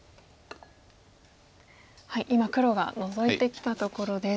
今黒がノゾいてきたところです。